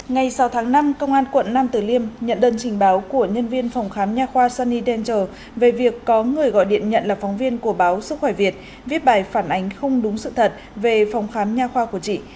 ngày sáu tháng năm công an quận nam tử liêm nhận đơn trình báo của nhân viên phòng khám nha khoa sunny denter về việc có người gọi điện nhận là phóng viên của báo sức khỏe việt viết bài phản ánh không đúng sự thật về phòng khám nhà khoa của chị